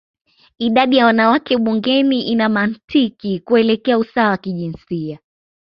idadi ya wanawake bungeni ina mantiki kuelekea usawa wa kijinsia